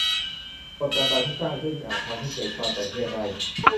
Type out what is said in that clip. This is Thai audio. กฎต่าง ๆ ที่สร้างขึ้น อาจทำให้เกิดความแตกแยกได้